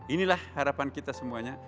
inilah harapan kita semuanya